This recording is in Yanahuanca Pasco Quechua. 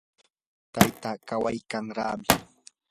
tayta kawaykanraami.